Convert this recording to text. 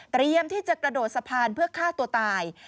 ที่จะกระโดดสะพานเพื่อฆ่าตัวตาย